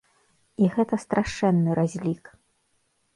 І гэта страшэнны разлік.